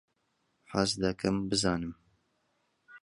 حەز دەکەم بزانم.